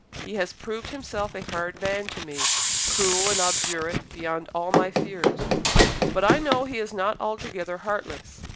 He has proved himself a hard man to me, cruel and obdurate beyond all my fears; but I know he is not altogether heartless.